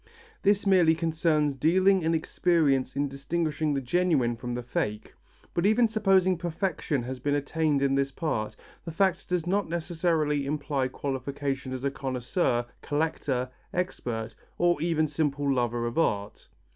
This merely concerns dealing and experience in distinguishing the genuine from the fake. But even supposing perfection has been attained in this part, the fact does not necessarily imply qualification as a connoisseur, collector, expert or even simple lover of art.